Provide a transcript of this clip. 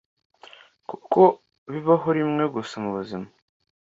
kuko bibaho rimwe gusa mubuzima…